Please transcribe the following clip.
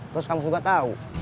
terus kamu juga tahu